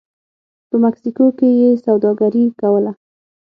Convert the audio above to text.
په مکسیکو کې یې سوداګري کوله